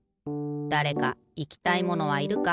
だれかいきたいものはいるか？